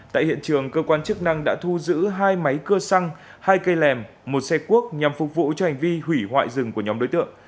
tại hiện trường cơ quan chức năng đã thu giữ hai máy cơ xăng hai cây lèm một xe cuốc nhằm phục vụ cho hành vi hủy hoại rừng của nhóm đối tượng